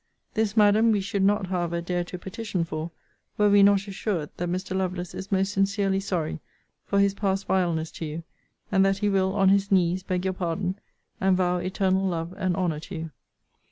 This, Madam, we should not, however, dare to petition for, were we not assured, that Mr. Lovelace is most sincerely sorry for his past vileness to you; and that he will, on his knees, beg your pardon, and vow eternal love and honour to you.